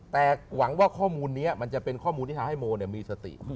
แต่หวังว่าข้อมูลนี้มันจะเป็นข้อมูลที่ทำให้โมมีสติ